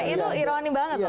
itu ironi banget